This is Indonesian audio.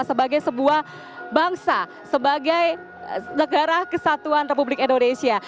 sebagai sebuah bangsa sebagai negara kesatuan republik indonesia